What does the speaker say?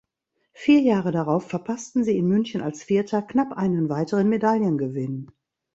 Vier Jahre darauf verpassten sie in München als Vierter knapp einen weiteren Medaillengewinn.